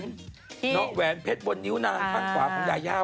เนาะแหวนเพจบนนิ้วนางข้างขวาพรุ่งยาย่าว